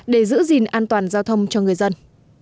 để giữ gìn an toàn giao thông cho người dân